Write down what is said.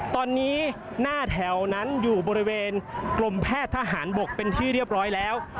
ตอนนี้หน้าแถวนั้นอยู่บริเวณกรมแพทย์ทหารบกเป็นที่เรียบร้อยแล้ว